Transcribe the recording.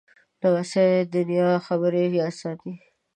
لمسی د نیا خبرې یاد ساتي.